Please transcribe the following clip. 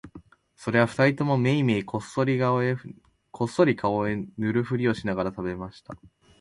それは二人ともめいめいこっそり顔へ塗るふりをしながら喰べました